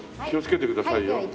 気をつけてくださいよ。